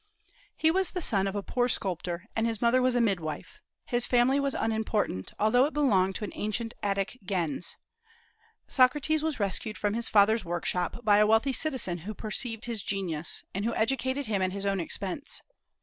He was the son of a poor sculptor, and his mother was a midwife. His family was unimportant, although it belonged to an ancient Attic gens. Socrates was rescued from his father's workshop by a wealthy citizen who perceived his genius, and who educated him at his own expense.